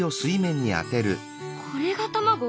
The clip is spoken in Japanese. これが卵？